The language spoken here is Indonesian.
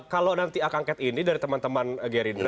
kalau nanti akangket ini dari teman teman geridra mks